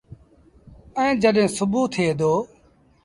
ائيٚݩ جڏهيݩ سُوڀو ٿئي دو